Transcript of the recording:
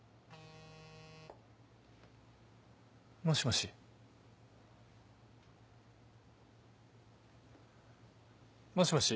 もしもし。